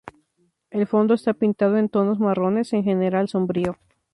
El fondo está pintado en tonos marrones, en general sombrío.